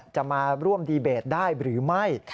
จะมาร่วมดีเบตได้หรือไม่